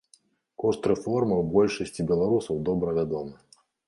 Кошт рэформаў большасці беларусаў добра вядомы.